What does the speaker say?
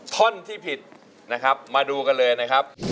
ท่อนที่ผิดนะครับมาดูกันเลยนะครับ